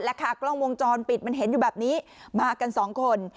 แล้วค่ะกล้องวงจรปิดมันเห็นอยู่แบบนี้มากันสองคน